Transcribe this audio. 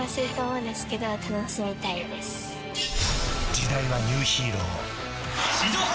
時代はニューヒーロー。